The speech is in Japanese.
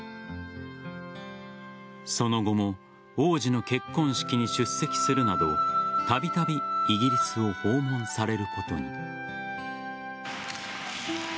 その後も王子の結婚式に出席するなどたびたびイギリスを訪問されることに。